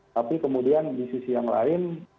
tapi kemudian di sisi yang lain